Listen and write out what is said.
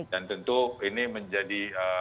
dan tentu ini menjadi